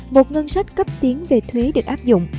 một ngân sách cấp tiến về thuế được áp dụng